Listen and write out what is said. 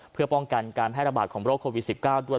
เพื่อป้องกันการแพร่ระบาดของโรคโควิด๑๙ด้วย